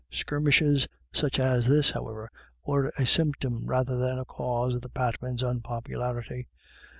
Skirmishes such as this, however, were a symp tom rather than a cause of the Patmans* unpopu larity.